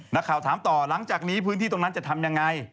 นักข่าวถามต่อหลังจากนี้พื้นที่ตรงนั้นจะทำยังไง